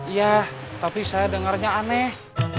iya tapi saya dengarnya aneh